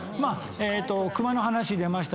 クマの話出ました。